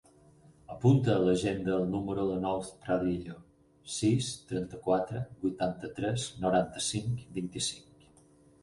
Apunta a l'agenda el número del Nouh Pradillo: sis, trenta-quatre, vuitanta-tres, noranta-cinc, vint-i-cinc.